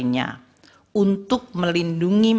penyelamatan dan pengelolaan sosial